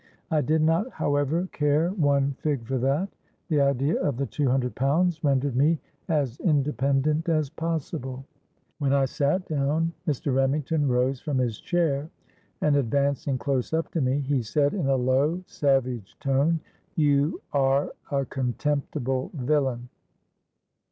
I did not however care one fig for that: the idea of the two hundred pounds rendered me as independent as possible. When I sate down, Mr. Remington rose from his chair; and, advancing close up to me, he said in a low, savage tone, 'You are a contemptible villian!'